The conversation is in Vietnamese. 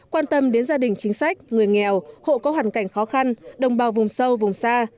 quan tâm đến gia đình chính sách người nghèo hộ có hoàn cảnh khó khăn đồng bào vùng sâu vùng xa